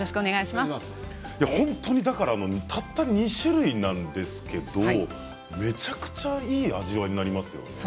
本当にだからたった２種類なんですけれどめちゃくちゃいい味わいになりますよね。